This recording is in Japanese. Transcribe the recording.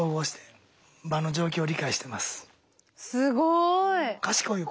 すごい。